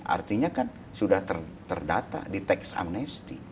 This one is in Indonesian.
artinya kan sudah terdata di teks amnesti